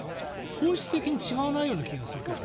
本質的に違わないような気がする。